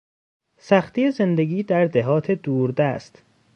سختی زندگی در دهات دوردست